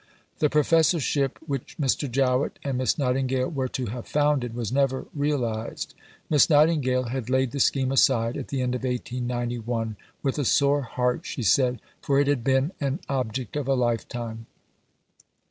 The Professorship which Mr. Jowett and Miss Nightingale were to have founded was never realized. Miss Nightingale had laid the scheme aside at the end of 1891 "with a sore heart," she said, for it had been "an object of a lifetime."